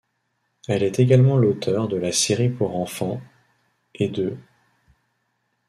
Elle est également l'auteur de la série pour enfants ' et de '.